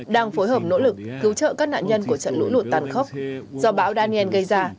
đang phối hợp nỗ lực cứu trợ các nạn nhân của trận lũ lụt tàn khốc do bão daniel gây ra